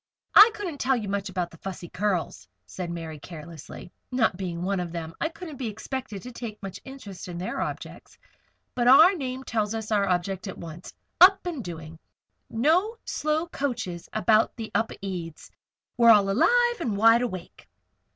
"I couldn't tell you much about the Fussy Curls," said Mary, carelessly. "Not being one of them I couldn't be expected to take much interest in their objects. But our name tells our object at once. 'Up and Doing'! No slow coaches about the Upedes. We're all alive and wide awake."